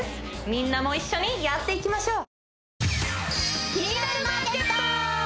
みんなも一緒にやっていきましょう５０％